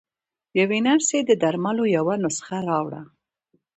يوې نرسې د درملو يوه نسخه راوړه.